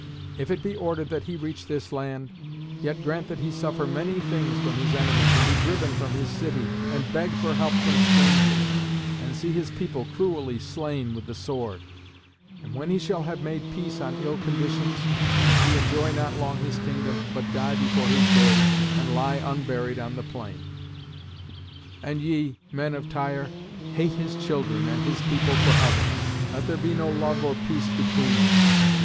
If it be ordered that he reach this land, yet grant that he suffer many things from his enemies, and be driven from his city, and beg for help from strangers, and see his people cruelly slain with the sword; and, when he shall have made peace on ill conditions, that he enjoy not long his kingdom, but die before his day, and lie unburied on the plain. And ye, men of Tyre, hate his children and his people for ever. Let there be no love or peace between you.